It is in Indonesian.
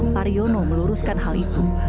pak riono meluruskan hal itu